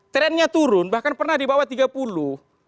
trendnya turun bahkan pernah di bawah tiga puluh